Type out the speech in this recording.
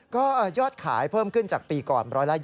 ก็ยอดขายเพิ่มขึ้นจากปีก่อน๑๒๐